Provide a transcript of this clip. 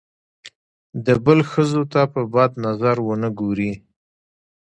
د بل ښځو ته په بد نظر ونه ګوري.